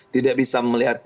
tidak bisa melihat